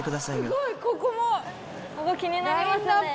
すごいここもラインナップがここ気になりますね